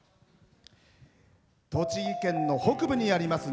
栃木県の北部にあります